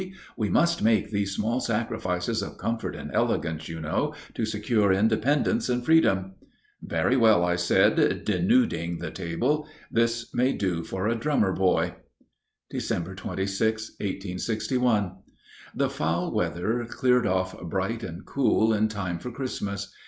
We must make these small sacrifices of comfort and elegance, you know, to secure independence and freedom." "Very well," I said, denuding the table. "This may do for a drummer boy." Dec. 26, 1861. The foul weather cleared off bright and cool in time for Christmas.